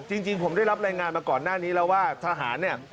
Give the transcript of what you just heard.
จริงผมได้รับรายงานมาก่อนหน้านี้แล้วว่าทหารเนี่ย